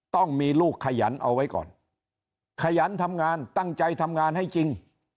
ต้องมีลูกขยันเอาไว้ก่อนขยันทำงานตั้งใจทำงานให้จริง